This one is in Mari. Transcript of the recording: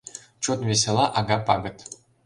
Чот весела ага пагыт.